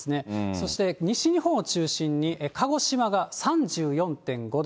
そして西日本を中心に、鹿児島が３４．５度。